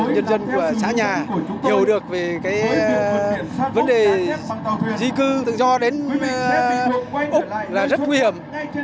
nhân dân của xã nhà hiểu được về cái vấn đề di cư tự do đến cuối úc là rất nguy hiểm